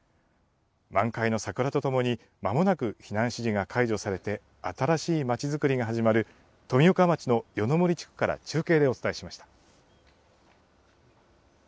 満開の桜とともに、まもなく避難指示が解除されて、新しい町づくりが始まる、富岡町の夜の森地区から中継でお伝えしました。